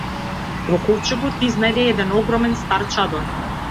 Во ковчегот изнајде еден огромен стар чадор.